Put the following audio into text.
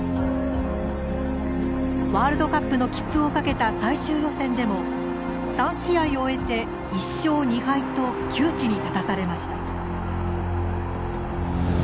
ワールドカップの切符をかけた最終予選でも３試合を終えて１勝２敗と窮地に立たされました。